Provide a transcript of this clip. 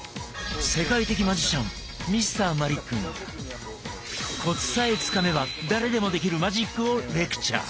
世界的マジシャンＭｒ．マリックがコツさえつかめば誰でもできるマジックをレクチャー。